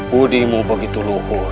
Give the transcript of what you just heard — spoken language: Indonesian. budimu begitu luhur